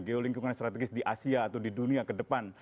geolingkungan strategis di asia atau di dunia kedepan